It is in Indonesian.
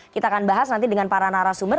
kita akan bahas nanti dengan para narasumber